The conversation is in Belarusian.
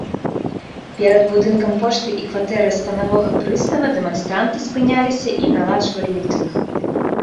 Перад будынкам пошты і кватэрай станавога прыстава дэманстранты спыняліся і наладжвалі мітынг.